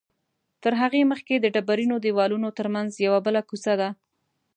تر هغې مخکې د ډبرینو دیوالونو تر منځ یوه بله کوڅه ده.